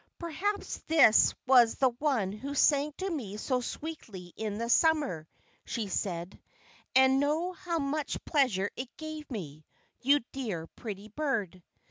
"Perhaps this was the one who sang to me so sweetly in the Summer," she said; "and how much pleasure it gave me, you dear, pretty bird."